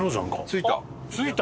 着いた！？